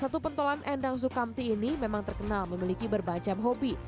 satu pentolan endang sukamti ini memang terkenal memiliki berbagai hobi